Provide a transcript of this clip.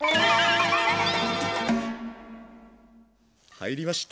入りました！